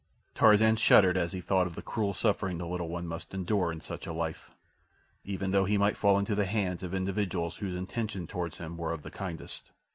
Tarzan shuddered as he thought of the cruel suffering the little one must endure in such a life, even though he might fall into the hands of individuals whose intentions toward him were of the kindest.